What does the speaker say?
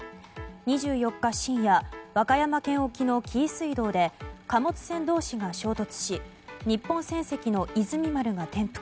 ２４日深夜和歌山県沖の紀伊水道で貨物船同士が衝突し日本船籍の「いずみ丸」が転覆。